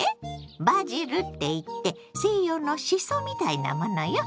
バジルって言って西洋のシソみたいなものよ。